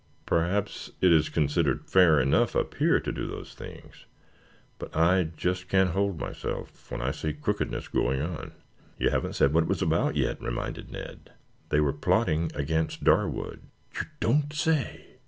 Perhaps it is considered fair enough up here to do those things, but I just can't hold myself when I see crookedness going on." "You haven't said what it was about yet," reminded Ned. "They were plotting against Darwood." "You don't say?"